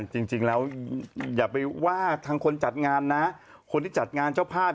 จริงแล้วอย่าไปว่าทางคนจัดงานนะคนที่จัดงานเจ้าภาพ